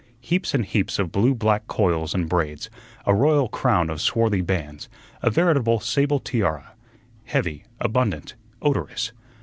Heaps and heaps of blue black coils and braids, a royal crown of swarthy bands, a veritable sable tiara, heavy, abundant, odorous.